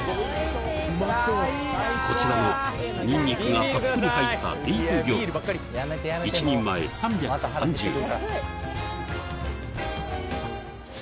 こちらのニンニクがたっぷり入ったディープ餃子一人前３３０円